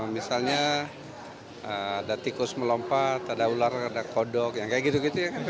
misalnya ada tikus melompat ada ular ada kodok yang kayak gitu gitu ya